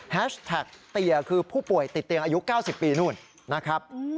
แท็กเตียคือผู้ป่วยติดเตียงอายุ๙๐ปีนู่นนะครับ